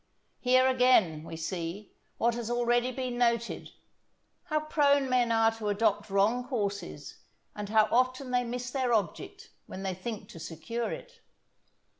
Here, again, we see, what has already been noted, how prone men are to adopt wrong courses, and how often they miss their object when they think to secure it.